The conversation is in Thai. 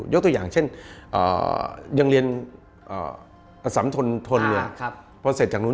ยกตัวอย่างเช่นยังเรียนอ่าประสำทนทนเรียนครับพอเสร็จจากนู้น